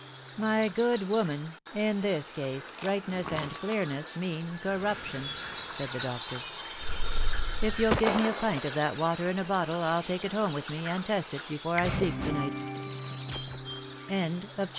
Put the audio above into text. " My good woman, in this case brightness and clearness mean corruption," said the doctor. " If you'll give me a pint of that water in a bottle I'll take it home with me, and test it before I sleep to night."